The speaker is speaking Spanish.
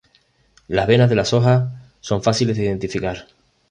Las venas de la hojas son fáciles de identificar.